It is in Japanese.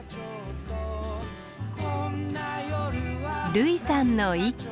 類さんの一句。